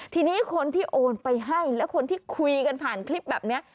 ทีนี้คนที่โอนไปให้และคนที่คุยกันผ่านคลิปแบบนี้